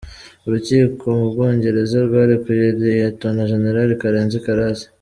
Urukiko mu Bwongereza rwarekuye Liyetona Jenerali Karenzi Karake.